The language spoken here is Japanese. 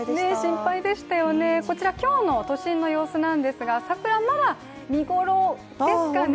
心配でしたよね、こちら今日の都心の様子なんですが桜、まだ見ごろですかね。